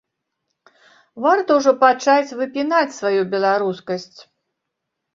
Варта ўжо пачаць выпінаць сваю беларускасць.